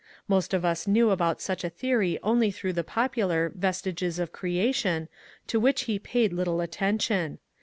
Most of us knew about such a theory only through the popular ^^ Vestiges of Creation," to which he paid little attention.